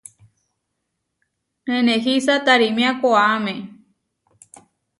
Nenehísa tarímia koʼáme.